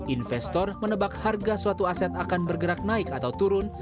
investor menebak harga suatu aset akan bergerak naik atau turun